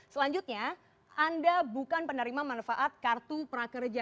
selanjutnya anda bukan penerima manfaat kartu prakerja